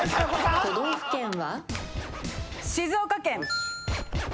都道府県は？